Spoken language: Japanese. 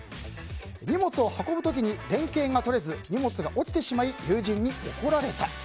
荷物を運ぶ時に連係が取れず荷物が落ちてしまい友人に怒られた。